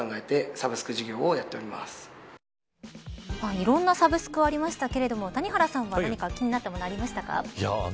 いろんなサブスクありましたけれども谷原さんは、何か気になったもの、ありましたか。